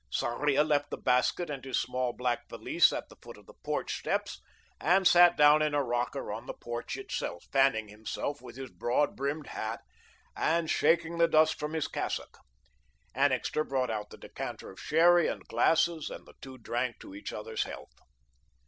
Sarria left the basket and his small black valise at the foot of the porch steps, and sat down in a rocker on the porch itself, fanning himself with his broad brimmed hat, and shaking the dust from his cassock. Annixter brought out the decanter of sherry and glasses, and the two drank to each other's health.